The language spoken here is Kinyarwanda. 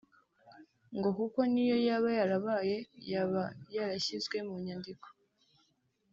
ngo kuko n’iyo yaba yarabaye yaba yarashyizwe mu nyandiko